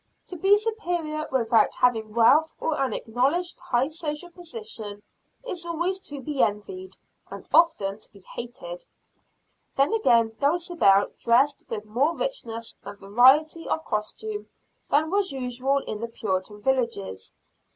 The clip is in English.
To be superior, without having wealth or an acknowledged high social position, is always to be envied, and often to be hated. Then again, Dulcibel dressed with more richness and variety of costume than was usual in the Puritan villages.